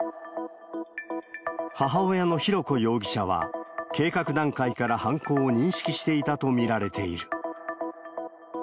母親の浩子容疑者は、計画段階から犯行を認識していたと見られている。